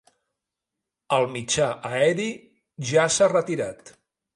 El mitjà aeri ja s’ha retirat.